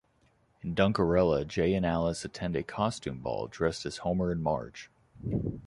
In "Dukerella," Jay and Alice attend a costume ball dressed as Homer and Marge.